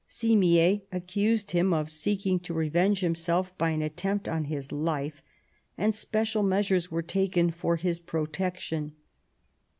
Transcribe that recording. Simier accused him of seeking to revenge himself by an attempt on his life, and lyo QUEEN ELIZABETH. special measures were taken for his protection.